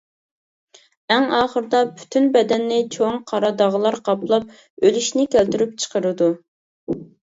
ئەڭ ئاخىرىدا پۈتۈن بەدەننى چوڭ قارا داغلار قاپلاپ ئۆلۈشنى كەلتۈرۈپ چىقىرىدۇ.